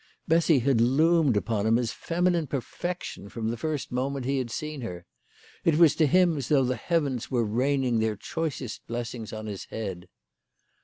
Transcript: Bessy had loomed upon him as feminine perfection from the first moment he had seen her. It was to him as though the heavens were rain ing their choicest blessings on his head.